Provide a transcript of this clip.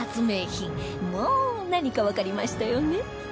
もう何かわかりましたよね？